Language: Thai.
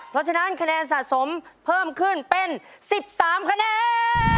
เพราะฉะนั้นคะแนนสะสมเพิ่มขึ้นเป็น๑๓คะแนน